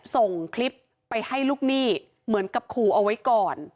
ส่งคลิปไปให้ลูกหนี้เหมือนกับขู่เอาไว้ก่อน